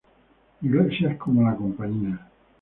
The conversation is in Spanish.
Iglesias como La Compañía.